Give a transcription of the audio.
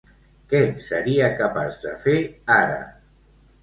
Què seria capaç de fer ara?